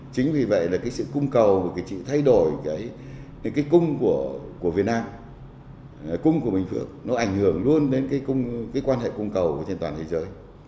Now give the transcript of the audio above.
chính vì vậy là sự cung cầu thay đổi cung của việt nam cung của bình phước nó ảnh hưởng luôn đến quan hệ cung cầu trên toàn thế giới